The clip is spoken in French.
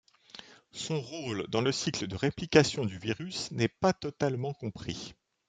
Son rôle dans le cycle de réplication du virus n'est pas totalement compris.